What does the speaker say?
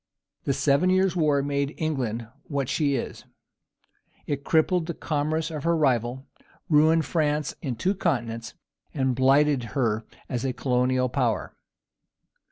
The Seven Years War made England what she is. It crippled the commerce of her rival, ruined France in two continents, and blighted her as a colonial power.